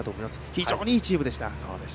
非常にいいチームでした。